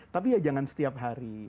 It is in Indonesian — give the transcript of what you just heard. tapi ya jangan setiap hari